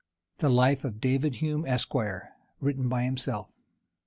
THE LIFE OF DAVID HUME, ESQ. WRITTEN BY HIMSELF.